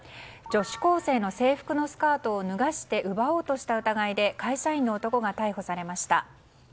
女子高生の制服のスカートを脱がして奪おうとした疑いで会社員の男が逮捕されました。